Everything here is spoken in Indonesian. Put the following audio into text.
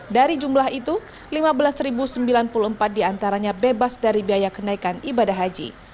dari jumlah itu lima belas sembilan puluh empat diantaranya bebas dari biaya kenaikan ibadah haji